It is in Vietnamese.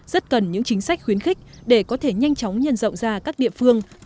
rất cần những chính sách khuyến khích để có thể nhanh chóng nhân rộng ra các địa phương